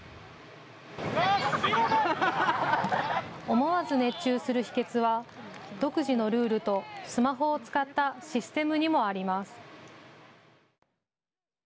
思わず熱中する秘けつは独自のルールとスマホを使ったシステムにもあります。